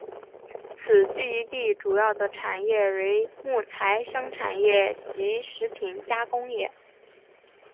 此聚居地主要的产业为木材生产业及食品加工业。